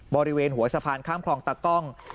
บริเวณหัวสะพานข้ามคลองตะกล้อง